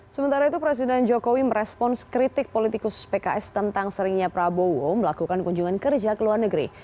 sementara itu presiden jokowi merespons kritik politikus pks tentang seringnya prabowo melakukan kunjungan kerja ke luar negeri